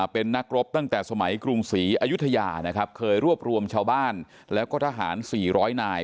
เป็นนักรบตั้งแต่สมัยกรุงศรีอายุทยานะครับเคยรวบรวมชาวบ้านแล้วก็ทหาร๔๐๐นาย